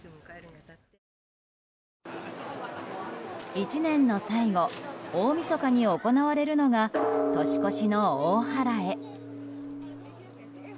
１年の最後大みそかに行われるのが年越の大祓。